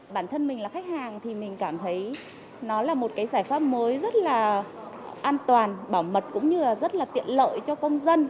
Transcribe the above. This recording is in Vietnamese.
bản thân mình là khách hàng thì mình cảm thấy nó là một giải pháp mới rất là an toàn bảo mật cũng như rất là tiện lợi